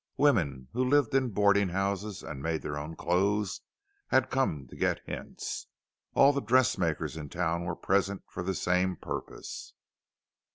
Women who lived in boarding houses and made their own clothes, had come to get hints; all the dressmakers in town were present for the same purpose..